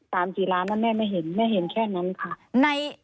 กี่ล้านนะแม่ไม่เห็นแม่เห็นแค่นั้นค่ะ